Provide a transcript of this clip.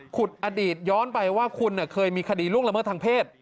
อดีตย้อนไปว่าคุณเคยมีคดีล่วงละเมิดทางเพศ